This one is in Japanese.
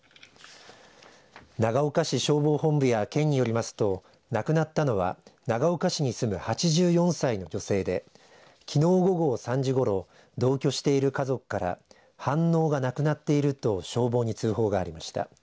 長岡市消防本部や県によりますと亡くなったのは長岡市に住む８４歳の女性できのう午後３時ごろ同居している家族から反応がなくなっていると消防に通報がありました。